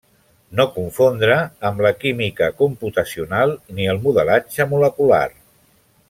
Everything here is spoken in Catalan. No confondre amb la química computacional ni el modelatge molecular.